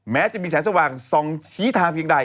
แม้จะมีแสงสว่างส่องชี้ทางเพียงใด